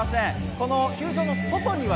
この球場の外には